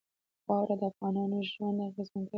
واوره د افغانانو ژوند اغېزمن کوي.